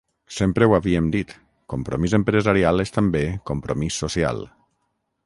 Sempre ho havíem dit: compromís empresarial és també compromís social.